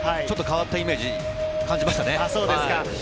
ちょっと変わったイメージを感じました。